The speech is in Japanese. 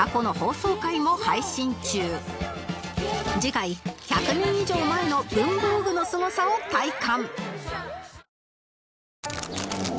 次回１００年以上前の文房具のすごさを体感！